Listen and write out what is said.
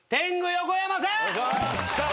横山さん！